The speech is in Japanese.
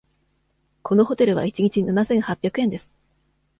このホテルは一日七千八百円です。